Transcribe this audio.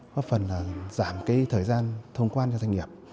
góp phần là giảm cái thời gian thông quan cho doanh nghiệp